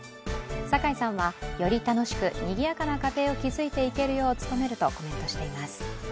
酒井さんは、より楽しくにぎやかな家庭を築いていけるよう努めるとコメントしています。